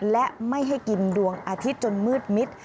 และไม่ให้กินดวงอาทิตย์จนมืดมิด